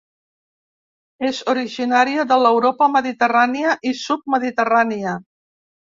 És originària de l'Europa mediterrània i submediterrània.